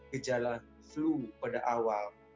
gejala flu pada awal